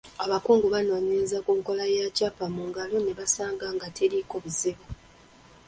Abakugu baanoonyereza ku nkola ya Kyapa mu Ngalo ne basanga nga teriiko buzibu.